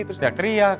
terus dia kriak